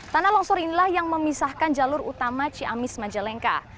tanah longsor inilah yang memisahkan jalur utama ciamis majalengka